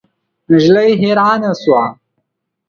نجلۍ حیرانه شوه.